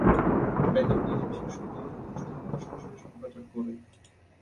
বেতার ও টেলিভিশন শোক দিবসের অনুষ্ঠানমালা সরাসরি সম্প্রচার করে।